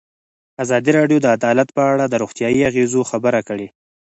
ازادي راډیو د عدالت په اړه د روغتیایي اغېزو خبره کړې.